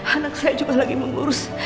anak saya juga lagi mengurus